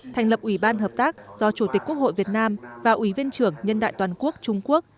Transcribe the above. thành lập ủy ban hợp tác do chủ tịch quốc hội việt nam và ủy viên trưởng nhân đại toàn quốc trung quốc